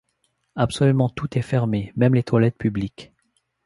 Absolument tout est fermé, même les toilettes publiques.